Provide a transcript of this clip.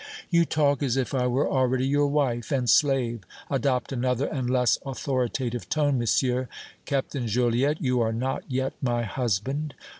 "You talk as if I were already your wife and slave. Adopt another and less authoritative tone, monsieur. Captain Joliette, you are not yet my husband!"